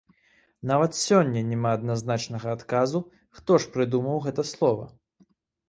Нават сёння няма адназначнага адказу, хто ж прыдумаў гэта слова.